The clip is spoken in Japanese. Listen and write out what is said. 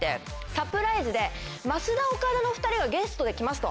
サプライズでますだおかだの２人がゲストで来ますと。